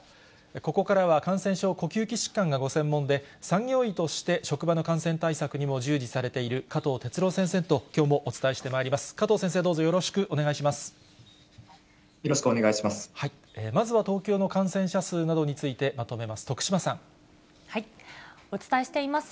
ここからは、感染症、呼吸器疾患がご専門で、産業医として職場の感染対策にも従事されている加藤哲朗先生ときょうもお伝えしてまいります。